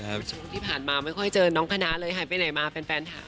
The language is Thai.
สังผิดที่ผ่านมาไม่ค่อยเจอน้องคะนะเลยหายไปไหนมาแฟนทำ